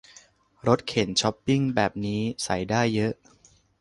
รถเข็นช้อปปิ้งแบบนี้ใส่ได้เยอะ